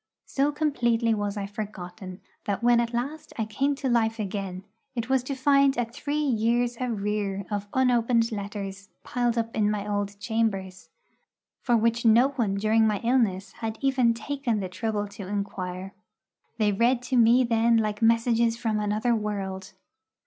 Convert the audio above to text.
So completely was I forgotten, that when at last I came to life again, it was to find a three years' arrear of unopened letters piled up in my old chambers, for which no one during my illness had even taken the trouble to inquire. They read to me then like messages from another world.